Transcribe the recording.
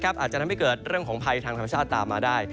อาจจะทำให้เกิดเรื่องของภัยทางธรรมชาติตามมาได้